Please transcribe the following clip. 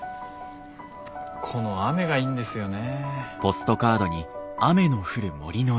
この雨がいいんですよね。